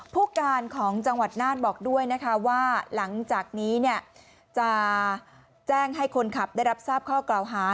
ผู้การของจังหวัดน่านบอกด้วยนะคะว่าหลังจากนี้จะแจ้งให้คนขับได้รับทราบข้อกล่าวหา